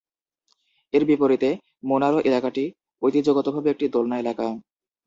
এর বিপরীতে, মোনারো এলাকাটি ঐতিহ্যগতভাবে একটি দোলনা এলাকা।